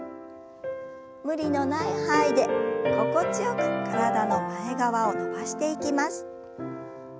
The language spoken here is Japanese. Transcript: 無理のない範囲で心地よく体の前側を伸ばしていきます。